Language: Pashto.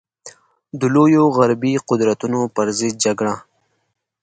د لویو غربي قدرتونو پر ضد جګړه.